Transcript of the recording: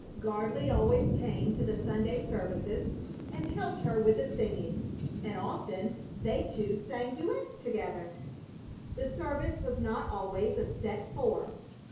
Gardley always came to the Sunday services, and helped her with the singing, and often they two sang duets together. The service was not always of set form.